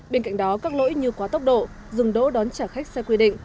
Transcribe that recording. bên cạnh đó các lỗi như quá tốc độ dừng đỗ đón chở khách xe quy định